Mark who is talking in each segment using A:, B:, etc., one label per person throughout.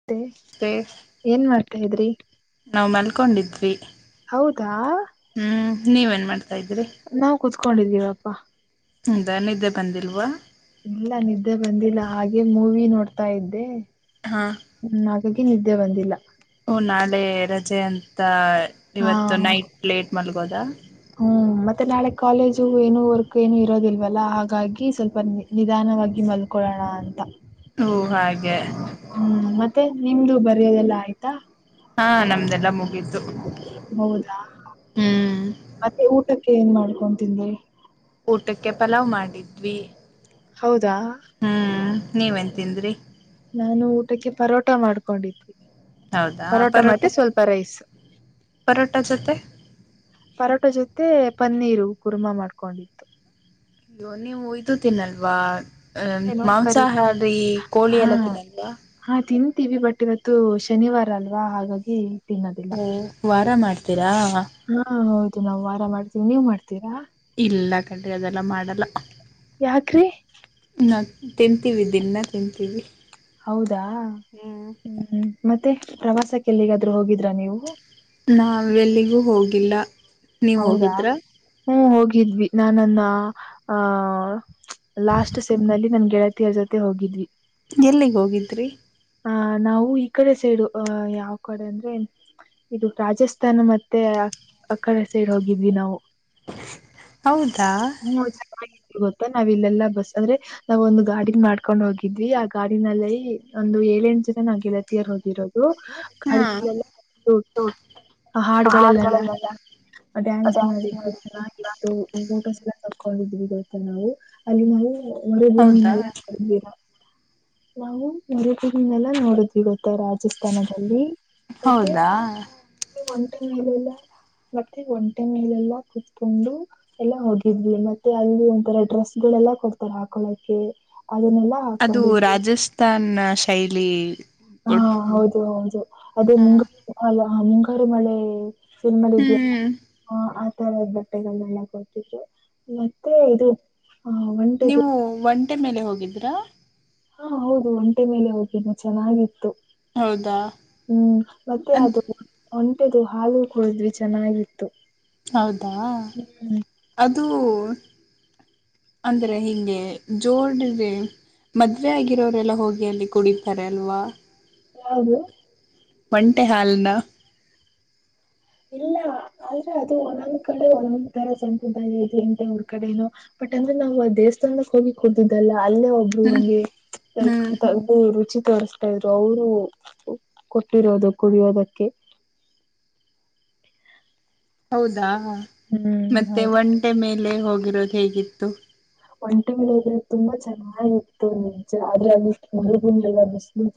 A: ಮತ್ತೆ
B: ಮತ್ತೆ
A: ಏನ್ ಮಾಡ್ತಾ ಇದ್ರಿ
B: ನಾವು ಮಲ್ಕೊಂಡಿದ್ವಿ
A: ಹೌದಾ
B: ಹ್ಮ್ ನೀವೇನ್ ಮಾಡ್ತಾ ಇದ್ರಿ
A: ನಾವು ಕುೂತ್ಕೊಂಡಿದ್ದೀವಪ್ಪಾ
B: ಹದ ನಿದ್ದೆ ಬಂದಿಲ್ವಾ
A: ಇಲ್ಲ ನಿದ್ದೆ ಬಂದಿಲ್ಲ ಹಾಗೆ ಮೂವಿ ನೋಡ್ತಾ ಇದ್ದೆ
B: ಹಾ
A: ಹ್ಮ್ ಹಾಗಾಗಿ ನಿದ್ದೆ ಬಂದಿಲ್ಲ
B: ಹ ನಾಳೆ ರಜೆ ಅಂತ
A: ಹಾ
B: ಇವತ್ತು ನೈಟ್ ಲೇಟ್ ಮಲ್ಗೋದಾ
A: ಹ್ಮ್ ಮತ್ತೆ ನಾಳೆ ಕಾಲೇಜು ಏನು ವರ್ಕ್ ಏನು ಇರೋದಿಲ್ವಲ್ಲ ಹಾಗಾಗಿ ಸ್ವಲ್ಪ ನಿ ನಿಧಾನವಾಗಿ ಮಲ್ಕೊಳ್ಳೋಣ ಅಂತ
B: ಓ ಹಾಗೆ
A: ಹ್ಮ್ ಮತ್ತೆ ನಿಮ್ದು ಬರೆಯೋದೆಲ್ಲ ಆಯ್ತಾ
B: ಹಾ ನಮ್ದೆಲ್ಲಾ ಮುಗಿತು
A: ಹೌದಾ ಮತ್ತೆ ಊಟಕ್ಕೆ ಏನ್ ಮಾಡ್ಕೊತಿಂದಿ
B: ಊಟಕ್ಕೆ ಪಲಾವ್ ಮಾಡಿದ್ವಿ
A: ಹೌದಾ
B: ಹ್ಮ್ ನೀವ್ ಎಂತನ್
A: ನಾನು ಊಟಕ್ಕೆ ಪರೋಟ ಮಾಡ್ಕೊಂಡಿ ಪರೋಟ ಮೆ ಸ್ವಲ್ಪ ರೈಸ್
B: ಪರೋಟ ಜೊತೆ
A: ಪರೋಟ ಜೊತೆ ಪನ್ನೀರು ಕುರ್ಮಾ ಮಾಡ್ಕೊಂಡಿತ್ತು
B: ವ ಇದು ಒಯ್ದ ತಿನ್ಲ್ವಾ ಅ
A: ಏನೋ ಕರಿ
B: ಮಾಂಸಾಹಾರಿ ಕೋಳಿ
A: ಹಾ
B: ಎಲ್ಲ ತಿನ್ನಲ್ವಾ
A: ಹಾ ತಿಂತೀವಿ ಬಟ್ ಇವತ್ತು ಶನಿವಾರ ಅಲ್ವಾ ಹಾಗಾಗಿ ತಿನ್ನದೆೇ
B: ಓ ವಾರ ಮಾಡ್ತೀರಾ
A: ಹಾ ಹೌದು ನಾವು ವಾರಾಮ ಮಾಡ್ತೀವಿ ನೀವ್ ಮಾಡ್ತೀರಾ
B: ಇಲ್ಲ ಕಂಡೆ ಅದೆಲ್ಲ ಮಾಡಲ್ಲ
A: ಯಾಕ್ರಿ
B: ನಾ ತಿಂತೀವಿ ದಿನ ತಿಂತೀವಿ
A: ಹೌದಾ ಹ್ಮ ಮತ್ತೆ ಪ್ರವಾಸಕ್ಕೆಲ್ಲಿಗಾದ್ ಹೋಗಿದ್ರಾ ನೀವು
B: ನಾವೆಲ್ಲಿಗೂ ಹೋಗಿಲ್ಲ ನೀವ್
A: ಹೌದಾ
B: ಹೋಗಿದ್ರಾ
A: ಹ್ಮ ಹೋಗಿದ್ವಿ ನಾನ್ನ್ ಆ ಲಾಸ್ಟ್ ಸೆಮ್ ನಲ್ಲಿ ನನ್ ಗೆಳತಿಯ ಜೊತೆ ಹೋಗಿದ್ವಿ
B: ಎಲ್ಲಿಗೆ ಹೋಗಿದರಿ
A: ಆ ನಾವು ಈ ಕಡೆ ಸೇಡು ಅಹ ಯಾವ ಕಡೆ ಅಂದ್ರೆ ಇದು ರಾಜಸ್ಥಾನ ಮತ್ತೆ ಅಕಡ ಸೈಡ್ ಹೋಗಿದ್ವಿ ನಾವು
B: ಹೌದಾ
A: ನೀ ಗೊತ್ತಾ ನಾವ್ ಇಲ್ಲೆಲ್ಲಾ ಬಸ್ ಅಂದ್ರೆ ನಾವ್ ಒಂದು್ ಗಾಡ ಮಾಡ್ಕೊಂಡ್ ಹೋಗಿದ್ವಿ ಆ ಗಾಡಿನಲ್ಲಿ ಒಂದು ಏಳೆಂಟು ಜನಾಗಿಗೆಲ್ಲತಿಯರ್ ಹೋಗಿ
B: ಹಾ
A: ಹಾಡುಗಳಲ್ಲೆಲ್ಲ [unintelligible]
B: ಹೌ [inaudible]
A: ಡ್ಯಾನ್ಸ್ ಮಾಡವಿ ತ್ತು ಫೋಟೋಸ್ ಎಲ್ಲ ಕಕೊಂಡಿದ್ವಿ ಗೊತ್ತ ನಾವು ಅಲ್ಲಿ ನಾವು
B: ಹೌದಾ
A: ಮರುಭೂಮಿಯಿನೆಲ್ಲ ರಾ ನಾವು ನ ತಿಗನ್ನೆಲ್ಲ ನೋಡಿದ್ವಿ ಗೊತ್ತ ರಾಜ ರಾಜಸ್ಥಾನದಲ್ಲಿ ಮತ್ತೆ
B: ಹೌದಾ
A: ಒಂಟೆ ಮೇಲೆಲ್ಲ ಮತ್ತೆ ಒಂಟೆ ಮೇಲೆಲ್ಲಾ ಕುೂತ್ಕೊಂಡು ಎಲ್ಲ ಹೋಗಿದ್ವಿ ಮತ್ತೆ ಅಲ್ಲಿ ಒಂಥರ ಡ್ರೆಸ್ ಗಳೆಲ್ಲ ಕೊಡ್ತಾರೆ ಹಾಕೊಳಕ್ಕೆ ಅದನ್ನೆಲ್ಲಾ
B: ಅದು
A: ಹಾಕೊಂಡಿದ್ವಿ
B: ರಾಜಸ್ಥಾನ್ ಶೈಲಿ
A: ಹಾ
B: ಫುಡ್
A: ಹೌದು ಹೌದು ಅದೇ ಮುಂಗಾರ ಅ ಮುಂಗಾರು ಮಳೆ ನಿಮ್ಮಲ್ಲಿ ಇದ್ಯಲ್ಲ
B: ಹ್ಮ್
A: ಹ ಆತರದ್ದು ಬಟ್ಟೆಗಳೆಲ್ಲ ಕೊಡ್ತಿದ್ರು ಮತ್ತೆ ಇದು ಆ ಒಂಟೆದು
B: ನೀವು ಒಂಟೆ ಮೇಲೆ ಹೋಗಿದ್ರಾ
A: ಹಾ ಹೌದು ಒಂಟೆ ಮೇಲೆ ಹೋಗೇನ ಚೆನ್ನಾಗಿತ್ತು
B: ಹೌದಾ
A: ಹ್ಮ್ ಮತ್ತೆ
B: ಅಂತ
A: ಅದು ಒಂಟೆದು ಹಾಲುೂ ಕುಡಿದ್ವಿ ಚೆನ್ನಾಗಿತ್ತು
B: ಹೌದಾ
A: ಹ್ಮ್
B: ಅದುೂ ಅಂದ್ರೆ ಹಿಂಗೆ ಜೋಡಿದೆ ಮದ್ವೆ ಆಗಿರೋರೆಲ್ಲ ಹೋಗಿ ಅಲ್ಲಿ ಕುಡಿತಾರೆ ಅಲ್ವಾ
A: ಹೌದು
B: ಒಂಟೆ ಹಲ್ ನ
A: ಇಲ್ಲ ಆದ್ರೆ ಅದು ಒಂದೊಂದ್ ಕಡೆ ಒಂದೊಂದ್ ಸಂಪ್ರದಾಯ ಊರ್ ಕಡೆನೂ ಬಟ್ ಅಂದ್ರೆ ನಾವು ದೇವಸ್ಥಾನಕ್ಕೆ ಹೋಗಿವಿ ಕಟ್ಟಿದ್ದಲ್ಲ ಅಲ್ಲೇ ಒಬ್ರು
B: ಹ್ಮ್
A: ಹಂಗೆ
B: ಹ್ಮ್
A: ತಗ್ದು ರುಚಿ ತೋ ಕೊತ ಇದ್ರು ಅವರು ಕೊಟ್ಟಿರೋದು ಕುಡಿಯೋದಕ್ಕೆ
B: ಹೌದಾ
A: ಹ್ಮ್
B: ಮತ್ತೆ
A: ಹೌದು
B: ಒಂಟೆ ಮೇಲೆ ಹೋಗಿರೋದು ಹೇಗಿತ್ತು
A: ಒಂಟಿಗಳಳೋದ್ರೆ ತುಂಬಾ ಚೆನ್ನಾಗಿತ್ತು ನಿಮಜ ಆದ್ರೆ ಮರುಗುಂಡ ಅ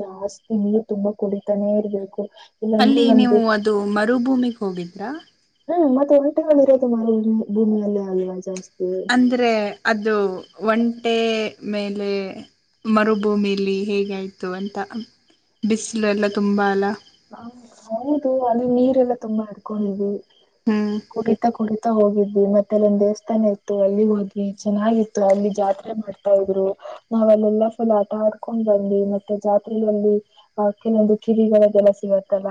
A: ಜಾಸ್ತಿ ನೀವು ತುಂಬಾ ಕುಡಿತಾನೆ ಇರ್ಬೇಕು ಇಲ್ಲಾಂದ್ರೆ
B: ಅಲ್ಲಿ ನೀವು
A: ನಮ್ಗೆ
B: ಅದು ಮರುಭೂಮಿಿಗೆ ಹೋಗಿದ್ರಾ
A: ಹ್ಮ್ ಮತ್ತೆ ಒಂಟೆಗಳು ಇರೋದು ಮ ಭೂಮಿಯಲ್ಲಿೇ ಆಲ್ವಾ ಜಾಸ್ತಿ
B: ಅಂದರೆ ಅದು ಒಂಟೆ ಮೇಲೆ ಮರುಭೂಮಿಲಿ ಹೇಗ ಆಯ್ತು ಅಂತ ಬಿಸಿಲು ಎಲ್ಲ ತುಂಬಾ ಅಲ್ಲ
A: ಹ ಹೌದು ಅಲ್ಲಿ ನೀರೆಲ್ಲಾ ತುಂಬಾ ಇರ್ಕೊಂಡ್ಿ
B: ಹ್ಮ್
A: ಕು ತ್ತ ಕುಡಿತಾ ಹೋಗಿದ್ವಿ ಮತ್ತೆ ಅಲ್ಲಿ ಒಂದ ದೇವಸ್ಥಾನ ಇತ್ತು ಅಲ್ಲಿ ಹೋಗಿ ಚೆನ್ನಾಗಿತ್ತು ಅಲ್ಲಿ ಜಾತ್ರೆ ಮಾಡವಿ ಆತಾ ಇದ್ರು ನಾವ್ ಅಲ್ಲೆಲ್ಲಾ ಫುಲ್ ಆಟ ಆಡ್ಕೊಂಡ್ ಬನ್ನಿ ಮತ್ತೆ ಜಾತ್ರೆಗಳಲ್ಲಿ ಆ ಕೆಲೊಂದು ಕಿವಿ ಗದೆಲ್ಲ ಸಿಗತ್ತಲ್ಲ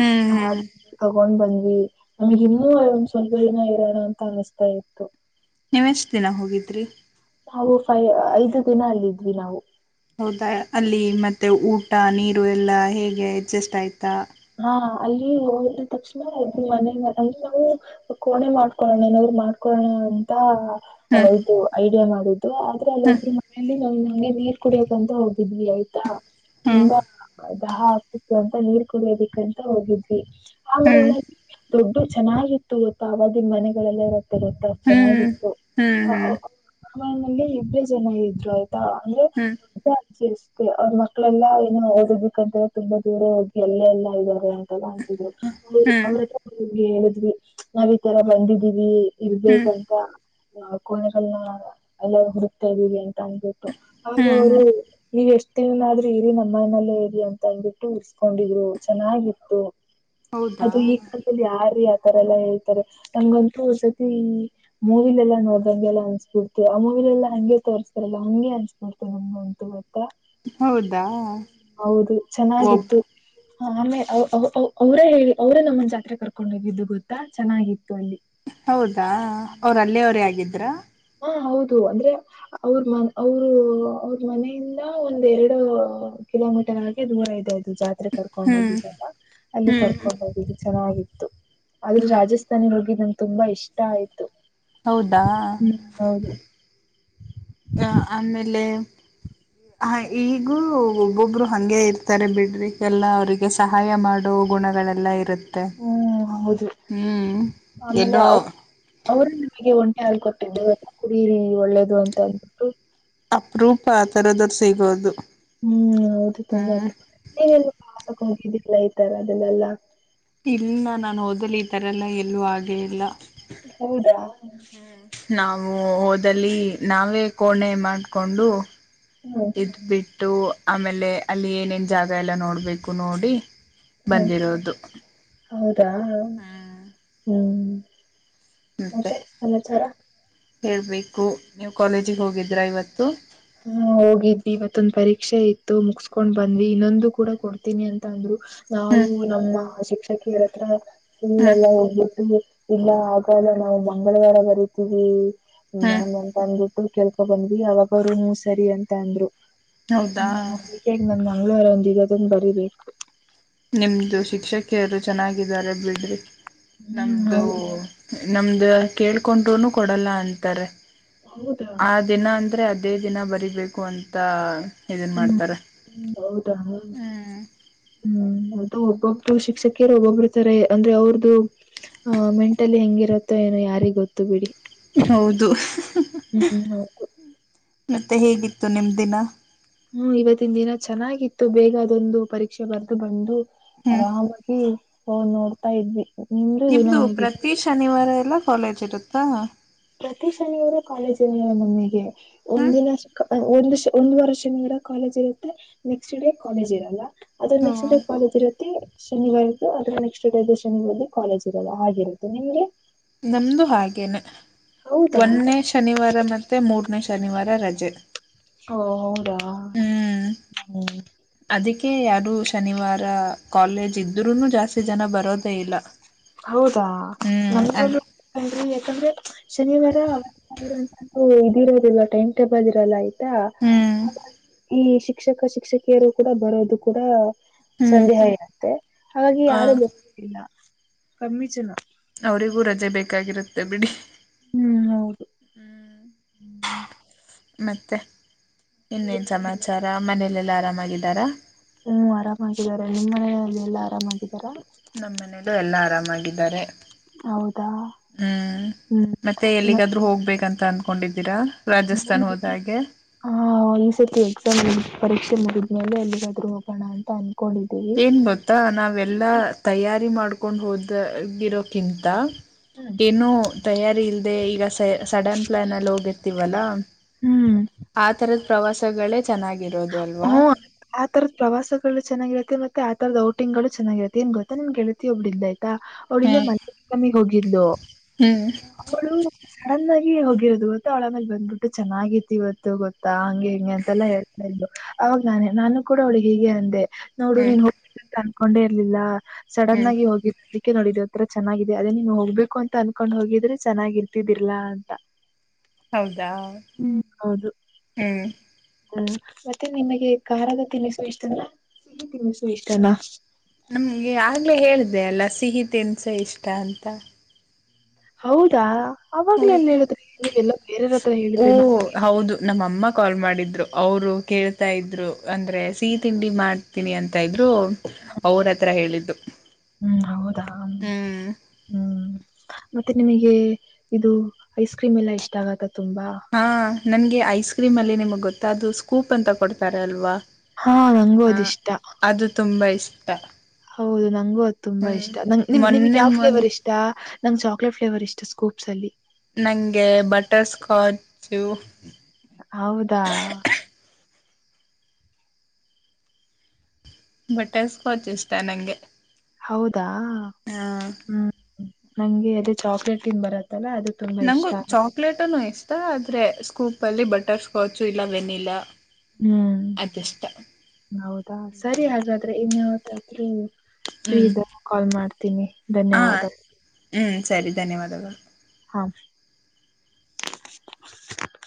B: ಹ್ಮ್ ಹ್ಮ್
A: ತಗೊಂಡ್ ಬಂದ್ವಿ ನಮಗ್ ಇನ್ನೂ ಒಂದ್ ಸ್ವಲ್ಪ ದಿನ ಇರೋಣ ಅಂತ ಅನಿಸತಾ ಇತ್ತು
B: ನೀವು್ ಎಷ್ಟು ದಿನ ಹೋಗಿದ್ರರಿ
A: ನಾವು ಫೈ ಐದು ದಿನ ಅಲ್ಲಿದ್ವಿ ನಾವು
B: ಹೌದಾ ಅಲ್ಲಿ ಮತ್ತೆ ಊಟ ನೀರು ಎಲ್ಲ ಹೇಗೆ ಅಡ್ಜಸ್ಟ್ ಆಯ್ತಾ
A: ಹಾ ಅಲ್ಲಿ ಹೋದ ತಕ್ಷಣದು ಮನ ಅಲ್ಲಿ ನಾವು ಕೋಣೆ ಮಾಡ್ಕೊೋಣನ್ರು ಮಾಡ್ಕೊಣ ಅಂತ
B: ಹ್ಮ್
A: ಹೌದು ಐಡಿಯಾ ಮಾಡುದು ಆದ್ರೆ ಅಲ್ಲಿೊಬ್ರು ಮನ ನಾವು ನಂಗೆ ನೀರ್ ಕುಡಿಯೋಕಂತ ಹೋಗಿದ್ವಿ ಆಯ್ತಾ
B: ಹ್ಮ್
A: ತುಂಬಾ ದಹ ಆಗ್ತಿತ್ತು ಅಂತ ನೀರ್ ಂತ ಹೋಗಿದ್ವಿ
B: ಹ್ಮ್
A: ಆರೆಲ್ಲ ದುಡ್ಡು ಚೆನ್ನಾಗಿತ್ತು ಇವತ್ತುಾ [unintelligible] ಮನೆಗಳಲ್ಲ ಇರುತೆ ಗೊತ್ತಾ
B: ಹ್ಮ್
A: ಚೆನ್ನಾಗಿತ್ತು
B: ಹ್ಮ್
A: ಆ ಆ
B: ಹ್ಮ್
A: ಆಲ್ಲಿ ಇಬ್ರೇ ಜನ ಇದ್ರು ಆ ಹಾ [unintelligible]
B: ಹ್ಮ್
A: ಅವ್ರ ಮಕ್ಕಳೆಲ್ಲಾ ಏನೋ ಓದಬೇಕಂತ್ರೆ ತುಂಬಾ ದೂರ ಹ ಎಲ್ಲ ಎಲ್ಲ ಇದ್ದಾರೆ ಅಂತ ಎಲ್ಲಾ ಅಂತಿದ್ರು ಅವ್ರ
B: ಹ್ಮ್ ಹ್ಮ್
A: ಅವ್ರಲ್ಲ ಹೇಳಿದ್ವಿ ನಾವ್ ಈ ತರ ಬಂದಿದೀವಿ
B: ಹ್ಮ್
A: ಇರ್ಬೇಕಂತ ನ ಕೋಣೆಗಳನ್ನ ಎಲ್ಲ ಹುಡುಕ್ತಾ ಇದ್ದೀವಿ ಅಂತ ಅಂದಬಿಟ್ಟು ಆಗ
B: ಹ್ಮ್
A: ಅವರು ನೀವ್ ಎಷ್ಟ್ ದಿನನಾದ್ರರು ಇರಿ ನಮ್ಮನಲ್ಲೇ ಇರಿ ಅಂತ ಅಂದ್ಬಿಟ್ಟು ಕೊಂಡಿದ್ರು ಚೆನ್ನಾಗಿತ್ತು
B: ಹೌದಾ
A: ಅದು ಈ ಇಲ್ಲಿ ಯಾರೀ ಆತರ ಎಲ್ಲಾ ಹೇಳ್ತಾರೆ ನಂಗಂತೂ ಸತಿ ಮೂವಿ ಲೆಲ್ಲ ನೋಡ್ದಂಗೆಲ್ ಅನಿಸ್ಬಿಡ್ತು ಅವಾಗಲೆಲ್ಲ ಹಂಗೆ ತೋರಿಸಸ್ತಾರಲ್ಲಾ ಹಂಗೆ ಅನ್ಸ್ ಬಿಡ್ತು ನಮಗ ಅಂತೂ ಮತ್ತ
B: ಹೌದಾ
A: ಹೌದು
B: ಒಬ್
A: ಚೆನ್ನಾಗಿತ್ತು ಹ ಆಮೇ ಅವ್ ಅವ್ ಅವ ಅವರೇ ಹೇಳಿ ಅವ್ರೇ ನಮ್ಮನ್ ಜಾತ್ರೆ ಕರ್ಕೊಂಡು ಹೋಗಿದ್ದು ಗೊತ್ತಾ ಚೆನ್ನಾಗಿತ್ತು ಅಲ್ಲಿ
B: ಹೌದಾ ಅವರು ಅಲ್ಲಿವರೇ ಆಗಿದ್ರಾ
A: ಹಾ ಹೌದು ಅಂದ್ರೆ ಅವ್ರ ಮ ಅವರು ಅವ್ರ ಮನೆಯಿಂದ ಒಂದ್ ಎರಡು ಕಿಲೋಮೀಟರ್ ಆ [unintelligible] ಅದು ಜಾ ಕರ್ಕೊಂಡ್
B: ಹ್ಮ್
A: ಹೋಗಿದ್ದಲ್ ಅಲ್ಲಿ
B: ಹ್ಮ್
A: ಕರ್ಕೊಂಡ್ ಹೋಗು ಚೆನ್ನಾಗಿತ್ತು ಆದ್ರೆ ರಾಜಸ್ಥಾನಿ ಹೋಗ ನನಗ ತುಂಬಾ ಇಷ್ಟ ಆಯ್ತು
B: ಹೌದಾ
A: ಹ್ಮ್ ಹೌದು
B: ಆಮೇಲೆ ಹ ಈಗೂ ಒಬ್ಬೊಬ್ರು ಹಂಗೆ ಇರ್ತಾರೆ ಬಿಡ್ರಿಿಗೆಲ್ಲ ಅವ್ರಿಗೆ ಸಹಾಯ ಮಾಡುವ ಗುಣಗಳೆಲ್ಲ ಇರುತ್ತೆ
A: ಹ್ಮ್ ಹೌದು
B: ಹ್ಮ್
A: ಆಮೇಲೆ
B: ಎಲ್ಲೋ
A: ಯ ಅವರು ನಮಗೆ ಒಂಟೆ ಹಾಲು ಕೊಟ್ಟಿದ್ದೆ ಕುಡಿಯಿರಿ ಒಳ್ಳೇದು ಅಂತ ಅಂದ್ಬಿಟ್ಟು
B: ಅಪ್ರೂಪ ಆ ಥರದ್ರ ಸಿಗೋದು
A: ಹ್ಮ್ ಹೌದು ತುಂಬಾ
B: ಹ್ಮ್
A: ಏನೆಲ್ಲಾಸಕ ಹಕಿದ್ದಿಲ್ಲ ಈತರ ಅದೆಲ್ಲಲ್ಲಾ
B: ಇಲ್ಲ ನಾನು ಹಓದಲು ಈ ತರ ಎಲ್ಲ ಎಲ್ಲೂ ಹಾಗೇ ಇಲ್ಲ
A: ಹೌದಾ
B: ಹ್ಮ ನಾವು ಓದಲಿ ನಾವೇ ಕೋಣೆ ಮಾಡ್ಕೊಂಡು
A: ಹೌ
B: ಇದ ಬಿಟ್ಟು ಆಮೇಲೆ ಅಲ್ಲಿ ಏನೇನು ಜಾಗ ಎಲ್ಲ ನೋಡಬೇಕು ನೋಡಿ
A: ಹ್ಮ್
B: ಬಂದಿರೋದು
A: ಹೌದಾ
B: ಹ್ಮ್
A: ಹ್ಮ್ ಮತ್ತೆ ಸಮಾಚಾರ
B: ಹೇಳಬೇಕು ನೀವು ಕಾಲೇಜಿಗೆ ಹೋಗಿದ್ರಾ ಇವತ್ತು
A: ಹಾ ಹೋಗಿದ್ವಿ ಇವತ್ತೊಂದ್ ಪರೀಕ್ಷೆ ಇತ್ತು ಮುಗಸ್ಕೊಂಡ್ ಬಂದ್ವಿ ಇನ್ನೊಂದು ಕೂಡ ಕೊಡ್ತೀನಿ ಅಂತ ಅಂದ್ರು ನಾವು
B: ಹ್ಮ್
A: ನಮ್ಮ ಶಿಕ್ಷಕಿಯರತ್ರ ಫುಲ್
B: ಹ್ಮ್
A: ಎಲ್ಲ ಹೋಗ್ಬಿಟ್ಟು ಇಲ್ಲ ಆಗಲ್ಲ ನಾವು ಮಂಗಳವಾರ ಬರಿತೀವಿ
B: ಹ್ಮ್
A: ನನ್ ಅಂತಂದ ಕೇಳ್ಕೊ ಬಂದ್ವಿ ಅವಾಗರುೂ ಸರಿ ಅಂತ
B: ಹೌದಾ
A: ಅಂದ್ರು್ಮ ಹೇ ನಮ್ ಮಂಗ್ೂರ ಒಂದಿಗೋದನ್ ಬರೀಬೇಕು
B: ನಿಮ್ಮದು ಶಿಕ್ಷಕಿಯರು ಚೆನ್ನಾಗಿದ್ದಾರೆ ಬಿಡ್ರಿ
A: ಹ್ಮ್
B: ನಮ್ಮದು
A: ಹೌದು
B: ನಮ್ದ ಕೇಳ್ಕೊಂಡೂ ಕೊಡಲ್ಲ ಅಂತಾರೆ
A: ಹೌದಾ
B: ಆ ದಿನ ಅಂದ್ರೆ ಅದ ಇದೇ ದಿನ ಬರಿಬೇಕು ಅಂತ ಇದನ್ ಮಾಡ್ತಾರೆ
A: ಹ್ಮ್ ಹೌದಾ ಹ್ಮ್ ಅದು ಒಬ್ಬೊಬ್ ಶಿಕ್ಷಕಿಯರು ಒಬ್ಬೊಬ್ಬರ್ತಾರೆ ಅಂದ್ರೆ ಅವ್ರದು ಆ ಮೆಂಟಲಿ ಹೆಂಗಿರುತ್ತೋ ಏನೋ ಯಾರಿಗೆ ಗೊತ್ತು ಬಿಡಿ
B: ಹೌದು
A: ಹ್ಮ್ ಹೌದು
B: ಮತ್ತೆ ಹೇಗಿತ್ತು ನಿಮ ದಿನ
A: ಹ್ಮ್ ಇವತ್ತಿನ ದಿನ ಚೆನ್ನಾಗಿತ್ತು ಬೇಗ ಅದೊಂದು ಪರೀಕ್ಷೆ ಬರೆದು ಬಂದು
B: ಹ್ಮ್
A: ಆರಾಮಾಗಿ ಹೋ ನೋಡ್ತಾ ಇದ್ವಿ ನಿಮೂ ದಿನ
B: ನಿಮ್ದು
A: ಹೇಗಿತ್ತು
B: ಪ್ರತಿ ಶನಿವಾರ ಎಲ್ಲ ಕಾಲೇಜ್ ಇರುತ್ತಾ
A: ಪ್ರತಿ ಶನಿಯವರ ಕಾಲೇಜಲ್ಲಿ ಮಮ್ಮಿಗೆ
B: ಹ್ಮ್
A: ಒಂದಿನ ಒಂದ ಒಂದು ವರ್ಷ ನಿಂದ ಕಾಲೇಜ್ ಇರುತ್ತೆ ನೆಕ್ಸ್ಟ್ ಡೇ ಕಾಲೇಜ್ ಇರಲ್ಲ ಅದ
B: ಹ್ಮ
A: ನೆಕ್ಸ್ ಟೈ ಕಾಲಜ್ ಇರುತ್ತೆ ಶನಿವಾರ್ದು ಅದ್ರೆ ನೆಕ್ಸ್ಡೇ ಶನಿವಾರ್ದು ಕಾಲೇಜ್ ಇರೋದು ಹಾಗೆರುತ್ತೆ ನಿಮ್ಗೆ
B: ನಮ್ದು ಹಾಗೇನೆ
A: ಹೌದಾ
B: ಒಂದೇ ಶನಿವಾರ ಮತ್ತುತ್ತೆ ಮೂರನೇ ಶನಿವಾರ ರಜೆ
A: ಓ ಹೌದಾ
B: ಹ್ಮ್
A: ಹ್ಮ
B: ಅದಕ್ಕೆ ಯಾರು ಶನಿವಾರ ಕಾಲೇಜ್ ಇದ್ರೂನು ಜಾಸ್ತಿ ಜನ ಬರೋದೇ ಇಲ್ಲ ಹ
A: ಹೌದಾ ನ್ರಲ್ಲ ಹಿ ಯಾಕಂದ್ರೆ ಶನಿವಾರ ಆಂತದ್ದು ಇದಿರೋದಲ್ವಾ ಟೈಮ್ ಟೇಬಲ್ ಇರೋಲ್ಲ
B: ಹ್ಮ್
A: ಈ ಶಿಕ್ಷಕ ಶಿಕ್ಷಕಿಯರು ಕೂಡ ಬರೋದು ಕೂಡ
B: ಹ್ಮ್
A: ಸಂದೇಹ ಇರುತ್ತೆ ಹಾಗಾಗಿ
B: ಹ
A: ಯಾರು ಬರ್ಲ್ಲ ಕಮ್ಮಿ ಜನ
B: ಅವರಿಗೂ ರಜೆ ಬೇಕಾಗಿರುತ್ತೆ ಬಿಡಿ
A: ಹ್ಮ್ ಹೌದು
B: ಮತ್ತೆ ಇನ್ನೇನ್ ಸಮಾಚಾರ ಮನೇಲೆೆಲ್ಲ ಆರಾಮಾಗಿದ್ದಾರಾ
A: ನೀ ಆರಾಮಾಗಿದಿದ್ದಾರೆ ನಿಮ್ಮ ಮನೆಯಲ್ಲಿ ಎಲ್ಲಾ ಆರಾಮಾಗಿದಾರಾ
B: ನಮ್ಮ ಮನೆಯಲ್ಲ ಎಲ್ಲ ಆರಾಮಾಗಿದ್ದಾರೆ
A: ಹೌದಾ
B: ಹ್ಮ್
A: ಹ್ಮ್
B: ಮತ್ತೆ ಎಲ್ಲಿಗಾದ್ ಹೋಗ್ಬೇಕಂತ ಅನ್ಕ ಹಕೊಂಡಿದ್ದೀರಾ ರಾಜಸ್ಥಾನ್ ಹೋದ ಹಾಗೆ
A: ಹಾ ಈ್ ಸರ್ತಿ ಎಕ್ಸಾಮ್ ಪರಕ್ಷೆ ಮುಗಿದ್ಎಲ್ಲಿಗಾದ್ ಹೋಗೋಣ ಅಂತ ಅನ್ಕೊಂಡಿದ
B: ಏನ್ ಗೊತ್ತಾ ನಾವೆಲ್ಲಾ ತಯಾರಿ ಮಾಡ್ಕೊಂಡು ಹೋದಾಗಿರೋಕಿಂತ ಏನು ತಯಾರಿ ಇಲ್ದೆ ಈಗ ಸ ಸಡನ್ ಪ್ಲಾನ್ ಅಲ್ಲಿ ಹೋಗಿರ್ತಿವಲ್ಲ
A: ಹ್ಮ್
B: ಆ ತರದ ಪ್ರವಾಸಗಳೇ ಚೆನ್ನಾಗಿರೋದು ಅಲ್ವಾ
A: ಹ್ಮ ಆ ತರದ್ ಪ್ರವಾಸಗಳು ಚೆನ್ನಾಗಿರುತ್ತೆ ಮತ್ತೆ ಆ ತರದ ಔಟಿಗಳು ಚನ್ನಾಗಿರುತ್ತೆ ಏನ್ ಗೊತ್ತಾ ನಿಮ್ಗೆಳ್ತಿಯ ಒಬ್ಬಡ ಇದ್ದ ಆಯ್ತಾ ಅವಳಲ್ಲ
B: ಹ್ಮ್
A: ಮ ಕಮ್ಮಿಗ್ ಹೋಗಿದ್ಲು
B: ಹ್ಮ್
A: ಳು ಸಡನ್ ಆಗಿ ಹೋಗಿರೋದು ಗೊತ್ತಾ ಒಳ ಮಾಗ ಬಂದ್ಬಿಟ್ಟು ಚೆನ್ನಾಗಿತಿ ಇವತ್ತು ಗೊತ್ತಾ ಹಂಗೆ ಹಿಂಗೆ ಅಂತೆಲ್ಲಾ ಹೇಳ್ತಾ ಇದ್ ಅವಾಗ ನಾನೇ ನಾನು ಕೂಡ ಅವಳಿಗೆ ಹೀಗೆ ಅಂದೆ ನೋಡು ನೀನ್
B: ಹ್ಮ್
A: ಹೋಗ ಅನ್ಕೊಂಡೇ ಇರ್ಲಿಲ್ಲ ಸಡನ್
B: ಹ್ಮ್
A: ಆಗಿ ಹೋಗಿದ ಅದಕ್ಕೆ ನೋಡಿದವಿ ಆಥರ ಚೆನ್ನಾಗಿದೆ ಅದೇ ನೀವು ಹೋಗಬೇಕು ಅಂತ ಅನ್ಕೊಂಡ್ ಹೋಗಿದ್ರೆ ಚೆನ್ನಾಗಿ ಇರ್ತಿದಿಲ್ಲಾ ಅಂತ
B: ಹ
A: ಹ್ಮ್ ಹೌದು
B: ಹ್ಮ್
A: ಹ ಮತ್ತೆ ನಿಮಗೆ ಖಾರದ ತಿನ್ನಿಸ ಇಷ್ಟನಾ ತಿನ್ನಿಸ ಇಷ್ಟನಾ
B: ನಮ್ಗೆ ಆಗ್ಲೇ ಹೇಳಿದೆ ಅಲ್ಲ ಸಿಹಿ ತನ್ಸ ಇಷ್ಟ ಅಂತ
A: ಹೌದಾ ಅವಾಗ್ಲ ಎನ್ ಹೇಳುದ್ರ ಎಲ್ಲ ಬೇರೆಯರ ಹತ್ರ ಹೇಳಿದ್ರೆನ
B: ಹ್ಮ ಹೌದು ನಮ್ಮಮ್ಮ ಕಾಲ್ ಮಾಡಿದ್ದರು ಅವರು ಕೇಳ್ತಾದರು ಅಂದರೆ ಸಿಹಿ ತಿಂಡಿ ಮಾಡ ತನಿ ಅಂತ ಇದ್ರು ಅವ್ರ ಹತ್ರ ಹೇಳಿದ್ದು
A: ಹ್ಮ್ ಹೌದಾ
B: ಹ್ಮ್
A: ಹ್ಮ್ ಮತ್ತೆ ನಿಮಗೆ ಇದು ಐಸ್ ಕ್ರೀಮ್ ಎಲ್ಲಾ ಇಷ್ಟ ಆಗತ್ತ ತುಂಬಾ
B: ಹಾ ನಂಗೆ ಐಸ್ ಕ್ರೀಮ್ ಅಲ್ಲಿ ನಿಮಗೆ ಗೊತ್ತಾ ಅದು ಸ್ಕೂಪ್ ಅಂತ ಕೊಡ್ತಾರ ಅಲ್ವಾ
A: ಹಾ ನಂಗೂ
B: ಹ
A: ಅದ ಇಷ್ಟ
B: ಅದು ತುಂಬಾ ಇಷ್ಟ
A: ಹೌದು ನಂಗೂ ಅದು ತುಂಬಾ
B: ಹ್ಮ್
A: ಇಷ್ಟ ನ ನಿಮ್ ನಿಮ್ಗ್
B: ಮೊನ್ನೆ
A: ಯಾವ
B: ಮೊನ್
A: ಫ್ಲೇವರ್ ಇಷ್ಟ ನಂ ಚಾಕ್ಲೇಟ್ ಫ್ಲೇವರ್ ಇಷ್ಟ ಸ್ಕೂಪ್ಸ್ ಅಲ್ಲಿ
B: ನಂಗೆ ಬಟರ್ ಸ್ಕಾಚ್
A: ಹೌದಾ
B: ಬಟ್ಸ್ಕೋಚ್ ಇಷ್ಟ ನಂಗೆ
A: ಹೌದಾ
B: ಹಾ
A: ಹ್ಮ್ ನಂಗೆ ಅದೇ ಚಾಕ್ಲೇಟ್ ನ್ ಬರತ್ತ
B: ನಂಗು ಚಾಕ್ಲೇಟನು ಇಷ್ಟ ಆದ್ರೆ ಸ್ಕೂಪ್ ಅಲ್ಲಿ ಬಟರ್ಸ್ಕಾಚ್ ಇಲ್ಲ ವೆನಿಲಾ
A: ಹ್ಮ್
B: ಅದಿಷ್ಟ
A: ಹೌದಾ ಸರಿ ಹಾಗಾದ್ರೆ ಇನ್ ಯಾವತ್ತಾದ್ರೂ
B: ಹ್ಮ್
A: ಫ್ರೀದ ಕಾಲ್ ಮಾಡ್ತೀನಿ ಧನ್ಯವಾದ
B: ಹ್ಞೂ ಸರಿ ಧನ್ಯವಾದಗಳು
A: ಹಾ